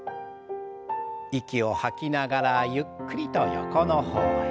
息を吐きながらゆっくりと横の方へ。